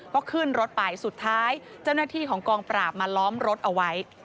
ก็ขึ้นรถไปสุดท้ายเจ้าหน้าที่ของกองปราบมาล้อมรถเอาไว้